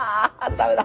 ダメだ。